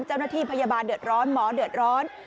เจ้าหน้าที่พยาบาลเดือดร้อนหมอเดือดร้อน